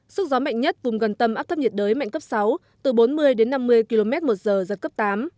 sức gió mạnh nhất vùng gần tâm áp thấp nhiệt đới mạnh cấp sáu từ bốn mươi đến năm mươi km một giờ giật cấp tám